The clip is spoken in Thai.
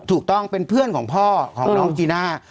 ถูกต้องเป็นเพื่อนของพ่อของน้องจีน่า